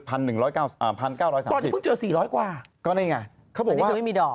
ตอนนี้พึ่งเจอ๔๐๐กว่าอันนี้คือไม่มีดอก